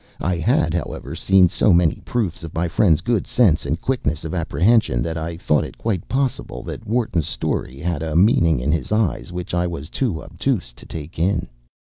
I had, however, seen so many proofs of my friend’s good sense and quickness of apprehension that I thought it quite possible that Wharton’s story had had a meaning in his eyes which I was too obtuse to take in.